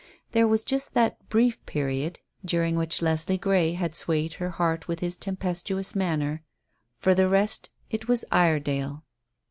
There was just that brief period during which Leslie Grey had swayed her heart with his tempestuous manner, for the rest it was Iredale.